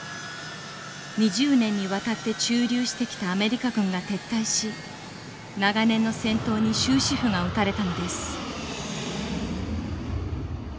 ２０年にわたって駐留してきたアメリカ軍が撤退し長年の戦闘に終止符が打たれたのです。